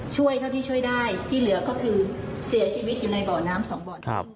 เท่าที่ช่วยได้ที่เหลือก็คือเสียชีวิตอยู่ในบ่อน้ำสองบ่อน